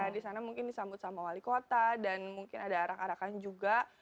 di sana mungkin disambut sama wali kota dan mungkin ada arak arakan juga